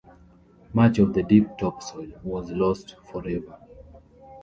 Much of the deep topsoil was lost forever.